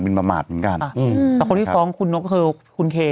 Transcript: ประมาทเหมือนกันแต่คนที่ฟ้องคุณนกคือคุณเค